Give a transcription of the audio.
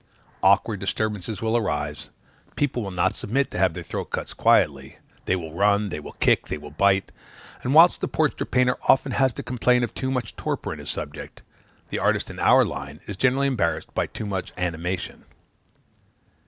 Awkward disturbances will arise; people will not submit to have their throats cut quietly; they will run, they will kick, they will bite; and whilst the portrait painter often has to complain of too much torpor in his subject, the artist, in our line, is generally embarrassed by too much animation.